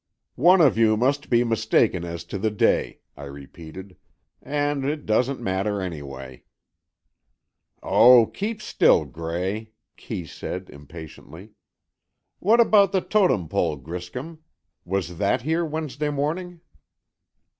"One of you must be mistaken as to the day," I repeated. "And it doesn't matter, anyway." "Oh, keep still, Gray," Kee said, impatiently. "What about the Totem Pole, Griscom? Was that here Wednesday morning?"